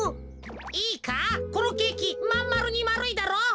いいかこのケーキまんまるにまるいだろう。